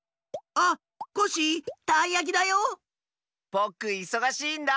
ぼくいそがしいんだ。